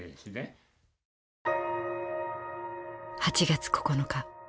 ８月９日。